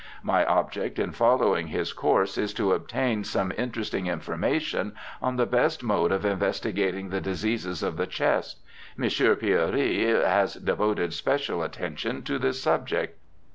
My object in following his course is to obtain some interesting information on the best mode of investigating the diseases of the chest. M. Piorry has devoted special attention to this subject.